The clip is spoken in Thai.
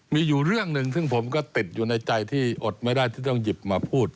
มีอยู่เรื่องหนึ่งซึ่งผมก็ติดอยู่ในใจที่อดไม่ได้ที่ต้องหยิบมาพูด